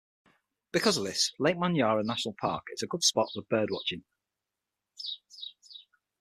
Because of this Lake Manyara National Park is a good spot for bird watching.